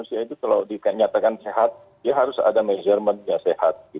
usia itu kalau dinyatakan sehat ya harus ada measurement yang sehat